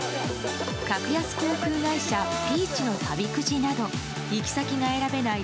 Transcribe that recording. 格安航空会社ピーチの旅くじなど行き先が選べない